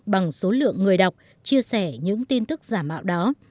bằng số lượng người đọc chia sẻ những tin tức giả mạo đó